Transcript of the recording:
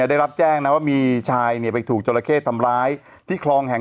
ได้รับแจ้งนะว่ามีชายเนี่ยไปถูกจราเข้ทำร้ายที่คลองแห่ง